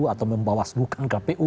atau membawas bukan kpu